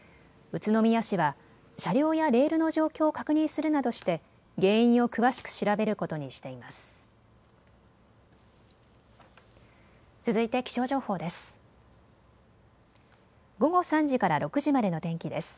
宇都宮市は車両やレールの状況を確認するなどして原因を詳しく調べることにしています。